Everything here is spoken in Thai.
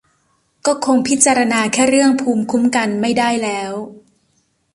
ก็คงพิจารณาแค่เรื่องภูมิคุ้มกันไม่ได้แล้ว